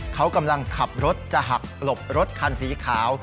เขากำลังขับรถจะหักหลบรถคันสีขาว